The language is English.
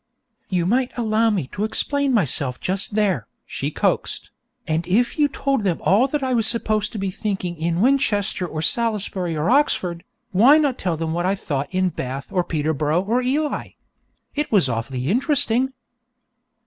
'You might allow me to explain myself just there,' she coaxed; 'and if you have told them all I was supposed to be thinking in Winchester or Salisbury or Oxford, why not tell them what I thought in Bath or Peterborough or Ely? It was awfully interesting!'